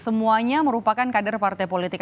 semuanya merupakan kader partai politik